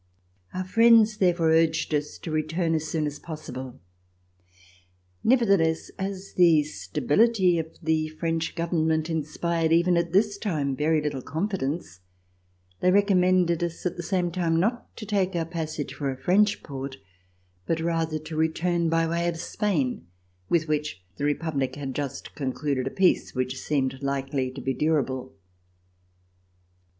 Our friends, therefore, urged us to return as soon as possible. Nevertheless, as the stability of the French Government inspired, even at this time, very little confidence, they recommended us at the same time not to take our passage for a French port, but rather to return by way of Spain, with which the Republic had just concluded a peace which seemed likely to be durable.